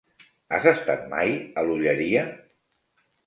Has estat mai a l'Olleria?